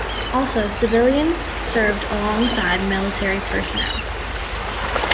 Also, civilians served alongside military personnel.